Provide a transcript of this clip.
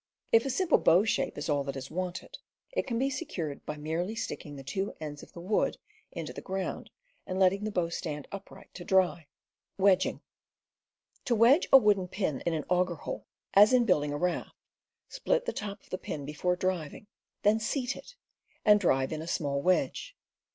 If a simple bow shape is all that is wanted, it can be secured by merely sticking the two ends of the wood into the ground and letting the bow stand upright to dry. To wedge a wooden pin in an auger hole, as in build ing a raft, spht the top of the pin before driving, then ^,. seat it, and drive in a small wedge.